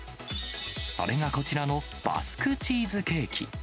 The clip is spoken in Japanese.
それがこちらのバスクチーズケーキ。